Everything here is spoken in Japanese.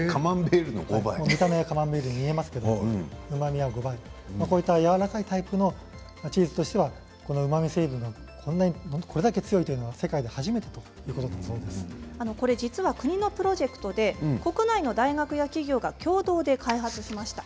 見た目はカマンベールに見えますけれどこういったやわらかいタイプのチーズとしてはうまみ成分がこれだけ強いのはこれは実は国のプロジェクトで国内の大学や企業が共同で開発しました。